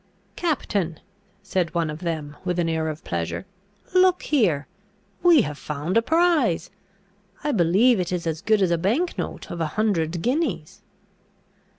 "Captain!" said one of them with an air of pleasure, "look here! we have found a prize! I believe it is as good as a bank note of a hundred guineas."